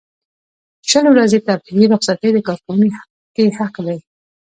شل ورځې تفریحي رخصتۍ د کارکوونکي حق دی.